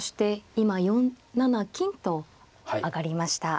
今４七金と上がりました。